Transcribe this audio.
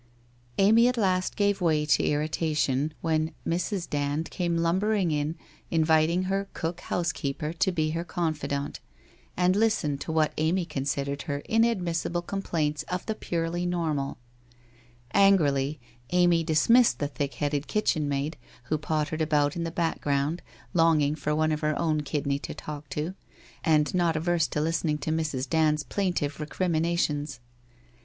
Amy at last gave way to irritation, when Mrs. Dand came lumbering in, inviting her cook housekeeper to be her confidant, and listen to what Amy considered her inadmissible complaints of the purely normal. An grily Amy dismissed the thick headed kitchen maid who pottered about in the background longing for one of her own kidney to talk to, and not averse to listening to Mrs. Dand's plaintive recriminations.